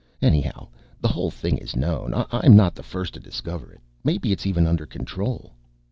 Anyhow, the whole thing is known; I'm not the first to discover it. Maybe it's even under control.